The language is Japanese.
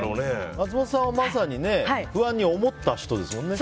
松本さんはまさに不安に思った人ですもんね。